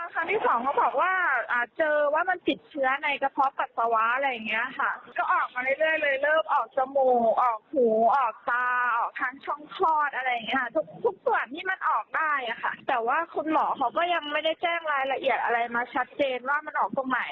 การแรกเหมือนคุณหมอเขาสงสัยว่าจะเป็นไตแต่พอมันออกทุกส่วน